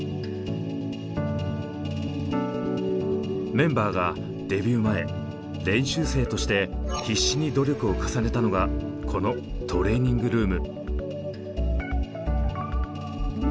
メンバーがデビュー前練習生として必死に努力を重ねたのがこのトレーニングルーム。